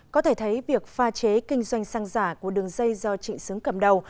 có thể thấy việc pha chế kinh doanh xăng giả của đường dây do trịnh xứng cầm đầu